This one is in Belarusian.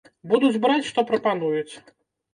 Будуць браць, што прапануюць.